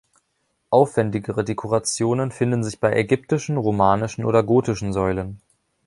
Aufwendigere Dekorationen finden sich bei ägyptischen, romanischen oder gotischen Säulen.